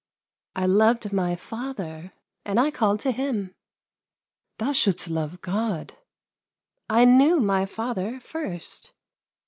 I loved my father, and I called to him." " Thou shouldst love God." " I knew my father first.